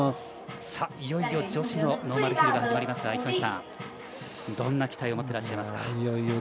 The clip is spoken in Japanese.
いよいよ女子のノーマルヒルが始まりますが、一戸さんどんな期待を持ってらっしゃいますか？